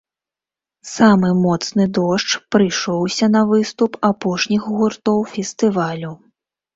Самы моцны дождж прыйшоўся на выступ апошніх гуртоў фестывалю.